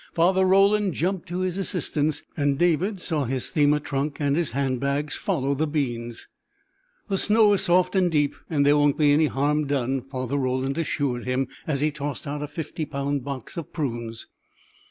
Father Roland jumped to his assistance, and David saw his steamer trunk and his hand bags follow the beans. "The snow is soft and deep, an' there won't be any harm done," Father Roland assured him as he tossed out a 50 pound box of prunes.